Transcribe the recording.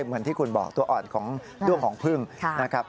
เหมือนที่คุณบอกตัวอ่อนด้วงของพึ่งค่ะ